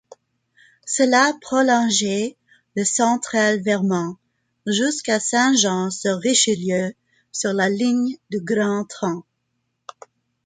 Cela prolongeait le Central Vermont jusqu'à Saint-Jean-sur-Richelieu sur la ligne du Grand Tronc.